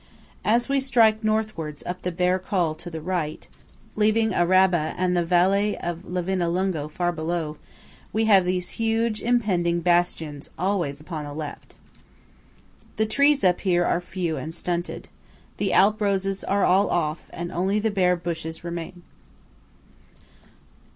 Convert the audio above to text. As we strike northwards up the bare Col to the right, leaving Araba and the Vale of Livinallungo far below, we have these huge, impending bastions always upon the left. The trees up here are few and stunted. The Alp roses are all off and only the bare bushes remain.